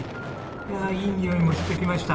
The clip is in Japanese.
いいにおいもしてきました！